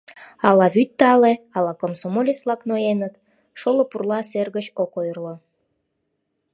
Ала вӱд тале, ала комсомолец-влак ноеныт — шоло пурла сер гыч ок ойырло.